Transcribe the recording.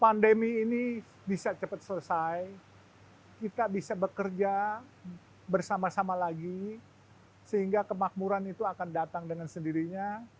pandemi ini bisa cepat selesai kita bisa bekerja bersama sama lagi sehingga kemakmuran itu akan datang dengan sendirinya